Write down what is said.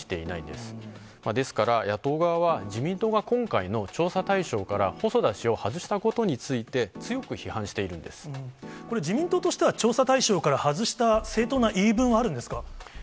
ですから、野党側は自民党が今回の調査対象から細田氏を外したことについて、これ、自民党としては、調査対象から外した正当な言い分はあるんですか。